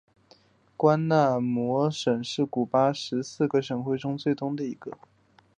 关塔那摩省是古巴十四个省份中最东的一个。